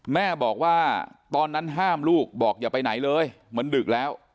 แม่บอกว่าตอนนั้นห้ามลูกบอกอย่าไปไหนเลยมันดึกแล้ว